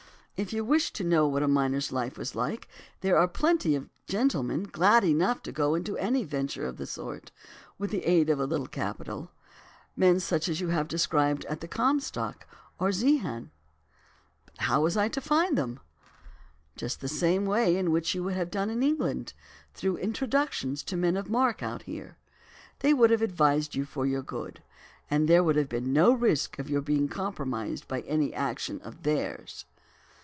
If you wished to know what a miner's life was like, there are plenty of gentlemen glad enough to go into any venture of the sort, with the aid of a little capital—men such as you have described at the 'Comstock' or at Zeehan." "But how was I to find them?" "Just the same way in which you would have done in England, through introductions to men of mark out here. They would have advised you for your good. And there would have been no risk of your being compromised by any action of theirs."